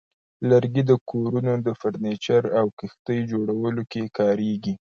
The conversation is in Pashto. لرګي د کورونو، فرنیچر، او کښتۍ جوړولو کې کارېږي.